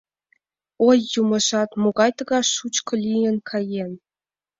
Ой, Юмыжат, могай тыгай шучко лийын каен?»